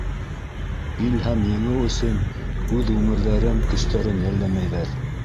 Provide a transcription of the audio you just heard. Ил һәм еңеү өсөн үҙ ғүмерҙәрен, көстәрен йәлләмәйҙәр.